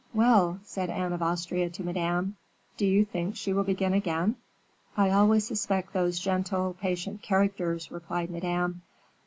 "Well!" said Anne of Austria to Madame, "do you think she will begin again?" "I always suspect those gentle, patient characters," replied Madame.